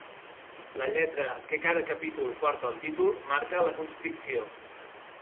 La lletra que cada capítol porta al títol marca la constricció.